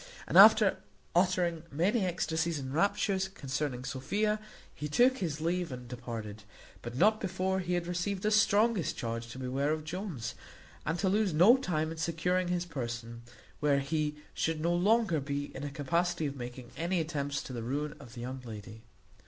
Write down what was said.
And after uttering many ecstasies and raptures concerning Sophia, he took his leave and departed, but not before he had received the strongest charge to beware of Jones, and to lose no time in securing his person, where he should no longer be in a capacity of making any attempts to the ruin of the young lady.